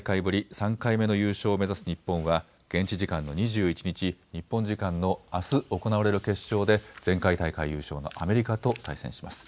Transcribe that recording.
３回目の優勝を目指す日本は現地時間の２１日、日本時間のあす行われる決勝で前回大会優勝のアメリカと対戦します。